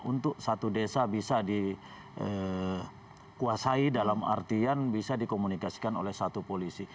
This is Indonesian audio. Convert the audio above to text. untuk satu desa bisa dikuasai dalam artian bisa dikomunikasikan oleh satu polisi